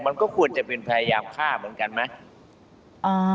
มันก็ควรจะเป็นพยายามฆ่าเหมือนกันไหม